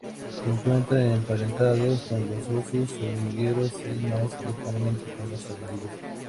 Se encuentran emparentados con los osos hormigueros, y más lejanamente, con los armadillos.